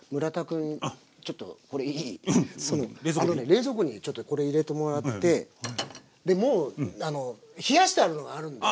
冷蔵庫にちょっとこれ入れてもらってでもう冷やしてあるのがあるんだよ。